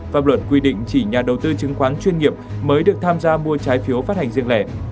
pháp luật quy định chỉ nhà đầu tư chứng khoán chuyên nghiệp mới được tham gia mua trái phiếu phát hành riêng lẻ